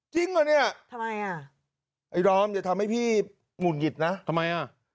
จริงป่ะเนี่ยทำไมอ่ะไอ้ดอมอย่าทำให้พี่หงุดหงิดนะทำไมอ่ะ